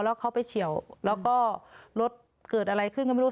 แล้วเขาไปเฉียวแล้วก็รถเกิดอะไรขึ้นก็ไม่รู้